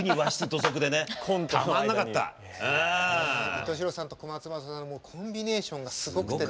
伊東四朗さんと小松政夫さんのコンビネーションがすごくてね。